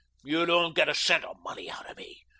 You don't get a cent of money out of me.